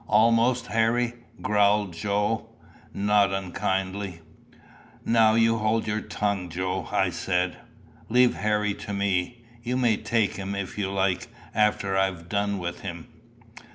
"Almost, Harry!" growled Joe not unkindly. "Now, you hold your tongue, Joe," I said. "Leave Harry to me. You may take him, if you like, after I've done with him."